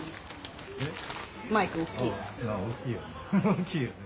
大きいよね。